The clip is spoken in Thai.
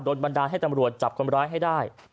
บันดาลให้ตำรวจจับคนร้ายให้ได้